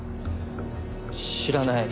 知らない。